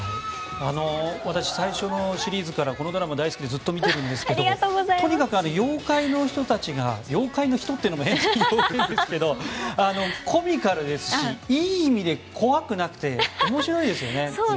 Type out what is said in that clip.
私、最初のシリーズからこのドラマ、大好きでずっと見てるんですけどとにかく妖怪の人たちが妖怪の人と言うのも変ですけどコミカルですしいい意味で怖くなくて面白いですよね。